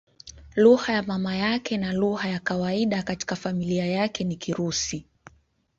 Lugha ya mama yake na lugha ya kawaida katika familia yake ni Kirusi.